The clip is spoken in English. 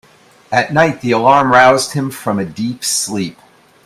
At night the alarm roused him from a deep sleep.